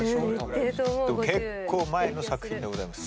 結構前の作品でございます。